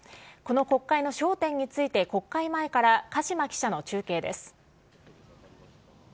この国会の焦点について、国会前から鹿嶋記者の中継です。